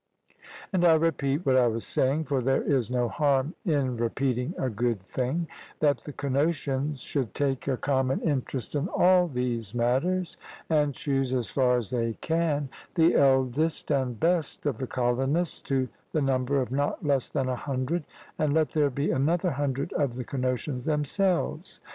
And I repeat what I was saying for there is no harm in repeating a good thing that the Cnosians should take a common interest in all these matters, and choose, as far as they can, the eldest and best of the colonists, to the number of not less than a hundred; and let there be another hundred of the Cnosians themselves.